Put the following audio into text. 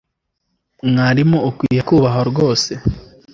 Mwarimu ukwiye kubahwa rwose!